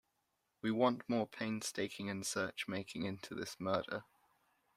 We want more painstaking and search-making into this murder.